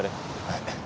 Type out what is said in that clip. はい。